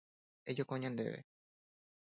Ejoko ñandéve.